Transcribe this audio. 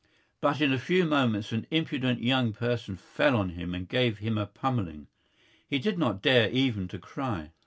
But in a few moments an impudent young person fell on him and gave him a pummelling. He did not dare even to cry.